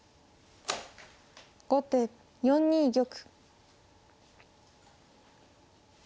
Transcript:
後手３二玉。